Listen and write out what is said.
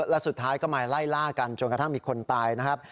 แล้วสุดท้ายก็มาไล่ล่ากันจนกระทั่งมีคนตายนะครับ